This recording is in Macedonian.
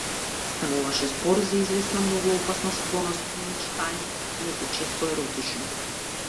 Стануваше збор за извесна многу опасна склоност кон мечтаење, инаку често еротично.